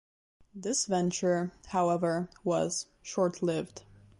This venture, however, was short-lived.